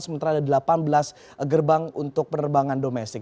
sementara ada delapan belas gerbang untuk penerbangan domestik